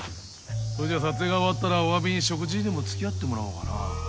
それじゃあ撮影が終わったらお詫びに食事にでも付き合ってもらおうかな